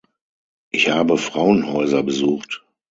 Ich habe Frauenhäuser besucht.